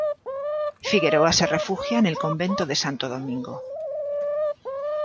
Figueroa se refugia en el convento de Santo Domingo.